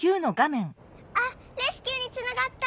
あっレスキューにつながった！